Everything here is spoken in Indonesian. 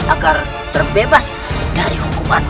agar terbebas dari hukuman